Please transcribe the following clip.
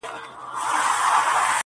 • زه د پي ټي ایم غړی نه یم -